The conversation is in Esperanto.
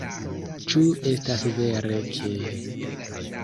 Ĉu estas vere ke...?